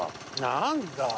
何だ。